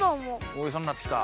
おいしそうになってきた。